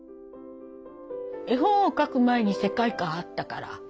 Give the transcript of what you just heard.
絵本を描く前に世界観あったから。